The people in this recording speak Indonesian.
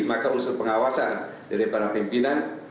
maka unsur pengawasan dari para pimpinan